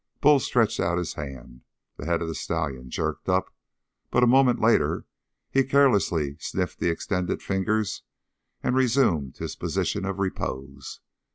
Bull stretched out his hand. The head of the stallion jerked up, but a moment later he carelessly sniffed the extended fingers and resumed his position of repose.